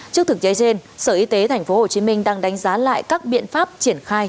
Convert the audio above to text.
trước thực chế trên sở y tế thành phố hồ chí minh đang đánh giá lại các biện pháp triển khai